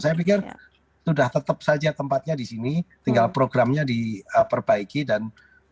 saya pikir sudah tetap saja tempatnya di sini tinggal programnya diperbaiki dan